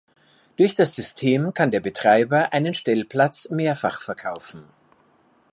Durch das System kann der Betreiber einen Stellplatz mehrfach verkaufen.